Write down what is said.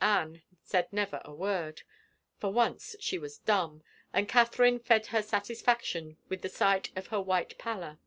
Anne said never a word. For once she was dimib, and Catherine fed her satisfaction with the sight of her white pallor.